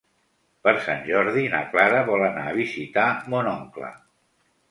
Per Sant Jordi na Clara vol anar a visitar mon oncle.